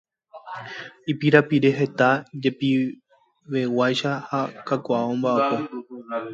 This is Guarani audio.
Ipirapire heta jepiveguáicha ha kakuaa omba'apo.